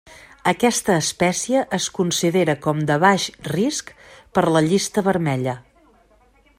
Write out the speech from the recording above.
Aquesta espècie es considera com de Baix Risc per la Llista Vermella.